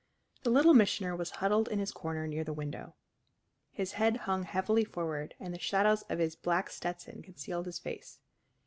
The Little Missioner was huddled in his corner near the window. His head hung heavily forward and the shadows of his black Stetson concealed his face.